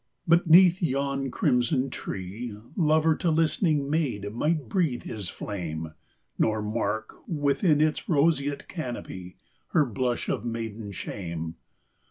But 'neath yon crimson tree, Lover to listening maid might breathe his flame, Nor mark, within its roseate canopy, Her blush of maiden shame.